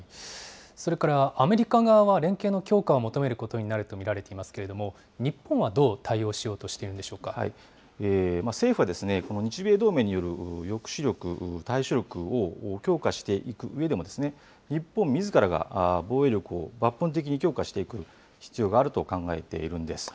それから、アメリカ側は連携の強化を求めることになると見られていますけれども、日本はどう対応しようとしているんでしょう政府は、この日米同盟による抑止力、対処力を強化していくうえでも、日本みずからが防衛力を抜本的に強化していく必要があると考えているんです。